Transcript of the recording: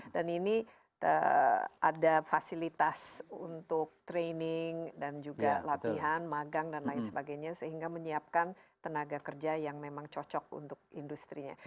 dan ini ada fasilitas untuk training dan juga latihan magang dan lain sebagainya sehingga menyiapkan tenaga kerja yang memang cocok untuk industri nya